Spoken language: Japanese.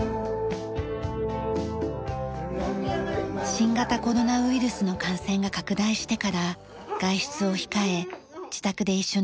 新型コロナウイルスの感染が拡大してから外出を控え自宅で一緒に過ごす事が増えました。